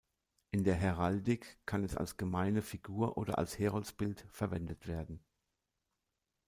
In der Heraldik kann es als gemeine Figur oder als Heroldsbild verwendet werden.